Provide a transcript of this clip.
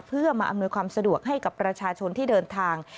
เพื่อมาอำนวยความสะดวกให้กับประชาชนที่เดินทาง